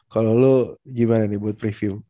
kalau lo gimana nih buat preview